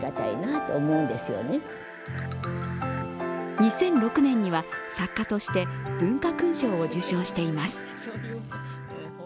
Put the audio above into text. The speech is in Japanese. ２００６年には作家として文化勲章を受章しています。